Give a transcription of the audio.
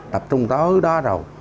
tập trung tới đó rồi